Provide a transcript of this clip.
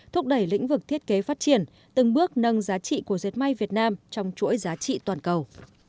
thúc đẩy lĩnh vực thiết kế phát triển từng bước nâng giá trị của dệt may việt nam trong chuỗi giá trị toàn cầu